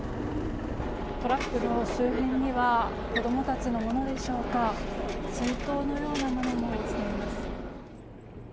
トラックの周辺には子供たちのものでしょうか水筒のようなものが落ちています。